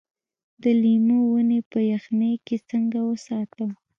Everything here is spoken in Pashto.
د لیمو ونې په یخنۍ کې څنګه وساتم؟